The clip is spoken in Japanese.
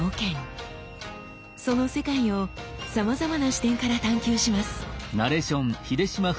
その世界をさまざまな視点から探究します。